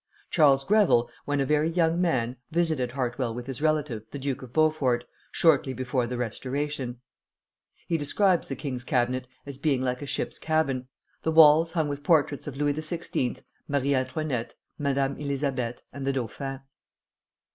Charles Greville, when a very young man, visited Hartwell with his relative, the Duke of Beaufort, shortly before the Restoration. He describes the king's cabinet as being like a ship's cabin, the walls hung with portraits of Louis XVI., Marie Antoinette, Madame Elisabeth, and the dauphin.